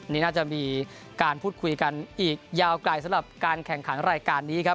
นี่น่าจะมีการพูดคุยกันอีกยาวไกลสำหรับการแข่งขันรายการนี้ครับ